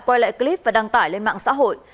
quay lại clip và đăng tải lên mạng xã hội